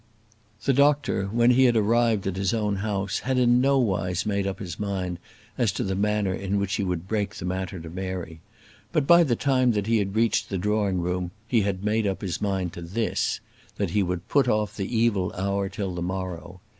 The doctor, when he arrived at his own house, had in nowise made up his mind as to the manner in which he would break the matter to Mary; but by the time that he had reached the drawing room, he had made up his mind to this, that he would put off the evil hour till the morrow.